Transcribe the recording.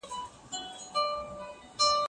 ایا ته به خپله څېړنه بشپړه کړې؟